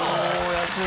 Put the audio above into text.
安い。